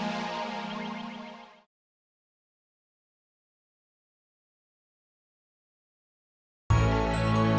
aku akan membawanya ke sini